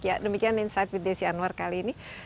ya demikian insight with desi anwar kali ini